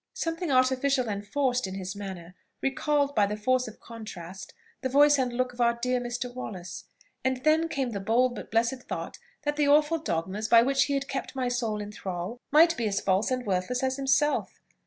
Something artificial and forced in his manner recalled by the force of contrast the voice and look of our dear Mr. Wallace; and then came the bold but blessed thought that the awful dogmas by which he had kept my soul in thrall might be as false and worthless as himself.